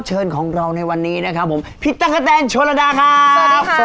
ใช่พี่แดงแน่นอนเลยครับผม